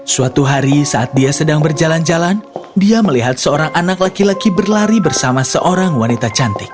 suatu hari saat dia sedang berjalan jalan dia melihat seorang anak laki laki berlari bersama seorang wanita cantik